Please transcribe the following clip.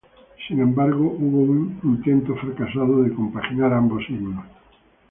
Sin embargo, hubo un intento –fracasado- de compaginar ambos himnos.